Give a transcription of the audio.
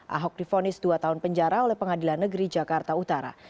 ahok difonis dua tahun penjara oleh pengadilan negeri jakarta utara